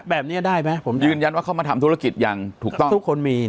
แบบนี้ได้ไหมผมยืนยันว่าเขามาทำธุรกิจอย่างถูกต้องทุกคนมี